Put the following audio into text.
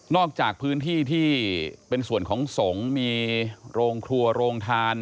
จากพื้นที่ที่เป็นส่วนของสงฆ์มีโรงครัวโรงทาน